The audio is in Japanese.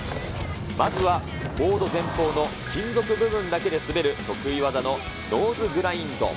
まずはボード前方の金属部分だけで滑る得意技のノーズグラインド。